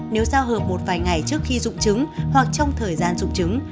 nếu giao hợp một vài ngày trước khi dung trứng hoặc trong thời gian dung trứng